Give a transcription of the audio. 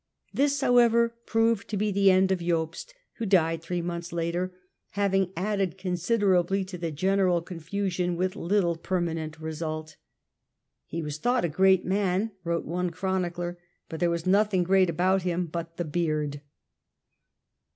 This, however, proved to be the end of Jobst, who died three months later, having added considerably to the general confusion with little permanent result. '' He was thought a great man," wrote one Chronicler, " but there was nothing great about him but the beard."